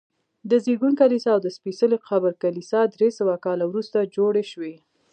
د زېږون کلیسا او د سپېڅلي قبر کلیسا درې سوه کاله وروسته جوړې شوي.